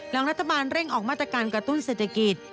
หลังรัฐบาลเร่งออกมาตรการกระตุ้นเศรษฐกิจ